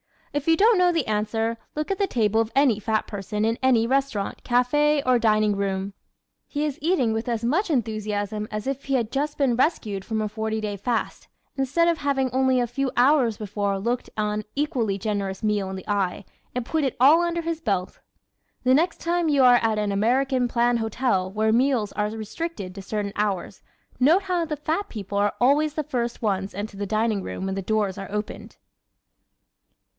If you don't know the answer, look at the table of any fat person in any restaurant, café or dining room. He is eating with as much enthusiasm as if he had just been rescued from a forty day fast, instead of having only a few hours before looked an equally generous meal in the eye and put it all under his belt. The next time you are at an American plan hotel where meals are restricted to certain hours note how the fat people are always the first ones into the dining room when the doors are opened!